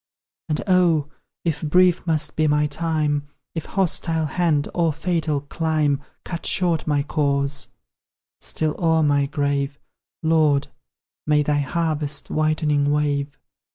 And, oh! if brief must be my time, If hostile hand or fatal clime Cut short my course still o'er my grave, Lord, may thy harvest whitening wave.